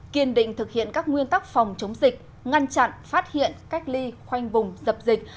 kiên định thực hiện các nguyên tắc phòng chống dịch ngăn chặn phát hiện cách ly khoanh vùng dập dịch